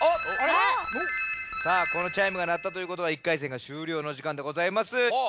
このチャイムがなったということは１回戦がしゅうりょうのじかんでございます。